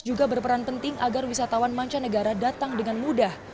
juga berperan penting agar wisatawan mancanegara datang dengan mudah